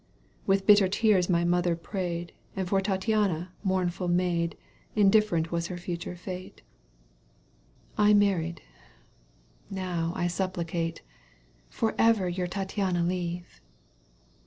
251 ^1 With bitter tears my mother prayed, And for Tattiana, monmftil maid, IndiflFerent was her future fate. I married — ^now, I supplicate — For ever your Tattiana leave.